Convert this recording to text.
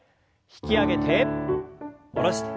引き上げて下ろして。